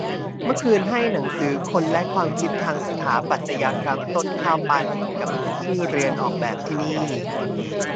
เมื่อคืนให้หนังสือ "คนและความคิดทางสถาปัตยกรรม" ต้นข้าว ปาณินท์ กับพี่ที่เรียนออกแบบที่นี่